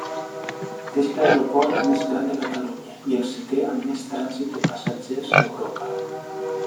És l'aeroport més gran de Catalunya i el setè amb més trànsit de passatgers d'Europa.